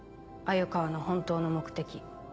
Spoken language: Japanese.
鮎川の本当の目的。